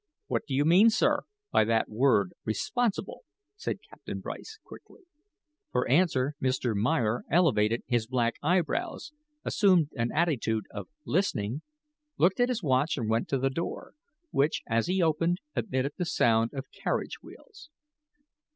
"What do you mean, sir, by that word responsible?" said Captain Bryce, quickly. For answer, Mr. Meyer elevated his black eyebrows, assumed an attitude of listening, looked at his watch and went to the door, which, as he opened, admitted the sound of carriage wheels.